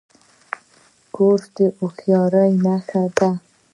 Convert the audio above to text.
کورس د هوښیارۍ نښه ده.